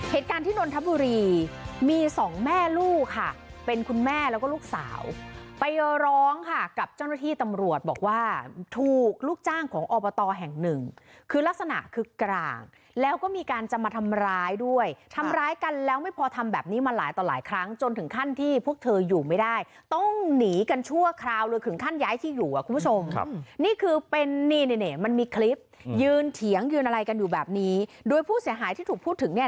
เหตุการณ์ที่นทบุรีมีสองแม่ลูกค่ะเป็นคุณแม่แล้วก็ลูกสาวไปร้องค่ะกับเจ้าหน้าที่ตำรวจบอกว่าถูกลูกจ้างของอบตแห่งหนึ่งคือลักษณะคือกลางแล้วก็มีการจะมาทำร้ายด้วยทำร้ายกันแล้วไม่พอทำแบบนี้มาหลายต่อหลายครั้งจนถึงขั้นที่พวกเธออยู่ไม่ได้ต้องหนีกันชั่วคราวเลยถึงขั้นย้ายที่อยู่อ่ะคุณผู้ชม